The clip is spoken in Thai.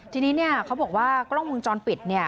ทีนี้เขาบอกว่ากล้องวงจรปิดเนี่ย